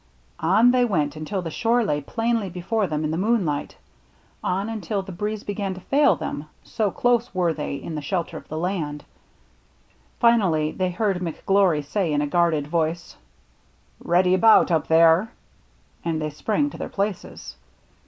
On they went until the shore lay plainly BURNT COVE 123 before them in the moonlight, — on until the breeze began to fail them, so close were they in the shelter of the land. Finally they heard McGlory say in a guarded voice, " Ready about, up there !" and they sprang to their places.